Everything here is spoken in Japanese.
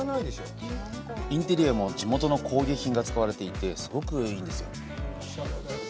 インテリアも地元の工芸品が使われていて、すごくいいんですよ。